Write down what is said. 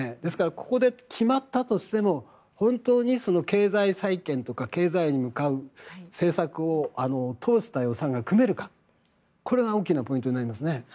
ここで決まったとしても本当にその経済再建とか経済に向かう政策を通した予算がこれが大きなポイントになりますね。